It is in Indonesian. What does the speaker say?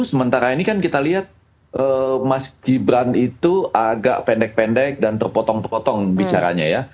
sementara ini kan kita lihat mas gibran itu agak pendek pendek dan terpotong potong bicaranya ya